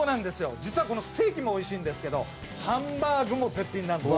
実は、このステーキもおいしいんですけれども、ハンバーグも絶品なんです。